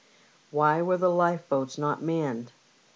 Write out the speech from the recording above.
Why were the lifeboats not manned